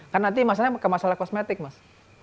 kan nanti masalahnya ke masalah kosmetik mas